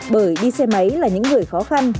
bởi đi xe máy là những người khó khăn